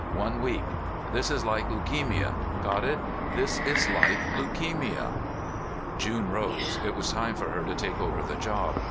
One week. This is like leukemia. Got it? This is like leukemia." June rose. It was time for her to take over the job.